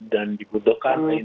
dan dibutuhkan internasional